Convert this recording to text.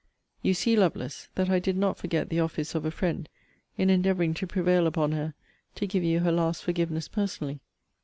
You see, Lovelace, that I did not forget the office of a friend, in endeavouring to prevail upon her to give you her last forgiveness personally.